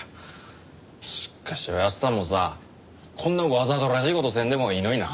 しかしおやっさんもさこんなわざとらしい事せんでもいいのにな。